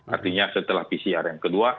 artinya setelah pcr yang ke dua